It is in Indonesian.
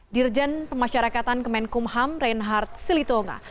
dirjen pemasyarakatan kemenkum ham reinhard silitonga